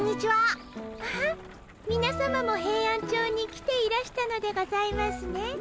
あっみなさまもヘイアンチョウに来ていらしたのでございますね。